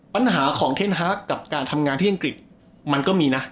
ปัญหาของเทนฮาร์กกับการทำงานที่อังกฤษมันก็มีนะ